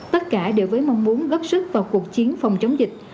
tất cả đều với mong muốn góp sức vào cuộc chiến phòng chống dịch